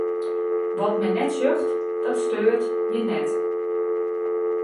Wat men net sjocht, dat steurt jin net.